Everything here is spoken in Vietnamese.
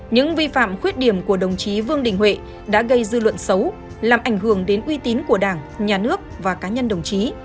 những vi phạm khuyết điểm của đồng chí vương đình huệ đã gây dư luận xấu làm ảnh hưởng đến uy tín của đảng nhà nước và cá nhân đồng chí